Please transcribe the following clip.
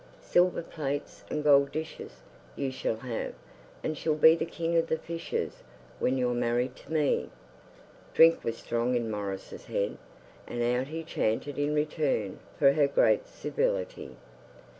Silver plates and gold dishes You shall have, and shall be The king of the fishes, When you're married to me. Drink was strong in Maurice's head, and out he chanted in return for her great civility.